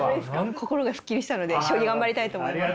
心がスッキリしたので将棋頑張りたいと思います。